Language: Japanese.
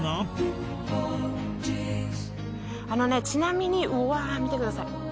ちなみにうわぁ見てください。